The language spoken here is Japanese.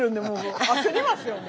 焦りますよね。